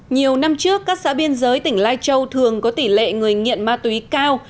nhiều năm trước các xã biên giới tỉnh lai châu thường có tỷ lệ người nghiện ma túy cao